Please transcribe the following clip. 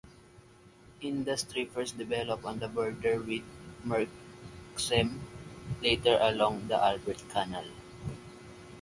Industry first developed on the border with Merksem, later along the Albert Canal.